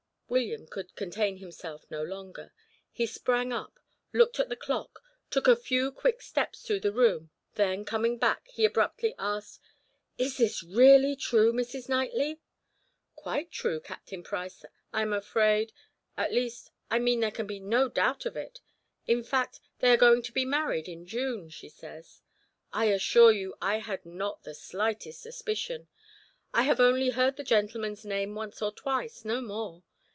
William could contain himself no longer. He sprang up, looked at the clock, took a few quick steps through the room, then, coming back, he abruptly asked: "Is this really true, Mrs. Knightley?" "Quite true, Captain Price, I am afraid at least, I mean there can be no doubt of it; in fact, they are going to be married in June, she says. I assure you, I had not the slightest suspicion. I have only heard the gentleman's name once or twice, no more.